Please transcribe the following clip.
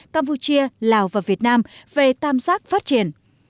campuchia lào và việt nam về tam giác phát triển